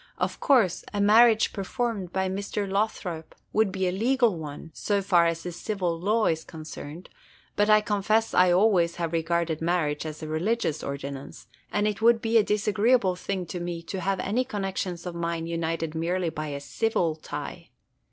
Of course, a marriage performed by Mr. Lothrop would be a legal one, so far as the civil law is concerned; but I confess I always have regarded marriage as a religious ordinance, and it would be a disagreeable thing to me to have any connections of mine united merely by a civil tie.